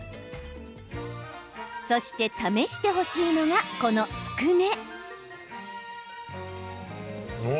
そして試してほしいのがこのつくね。